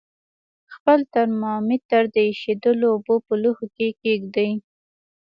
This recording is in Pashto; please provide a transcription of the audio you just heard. خپل ترمامتر د ایشېدلو اوبو په لوښي کې کیږدئ.